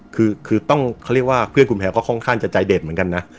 คือต้องเขาเรียกว่าเพื่อนคุณแพลวก็ค่อนข้างจะใจเด็ดเหมือนกันนะ